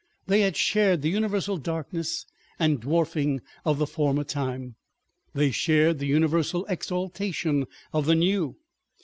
They had shared the universal darkness and dwarfing of the former time; they shared the universal exaltation of the new.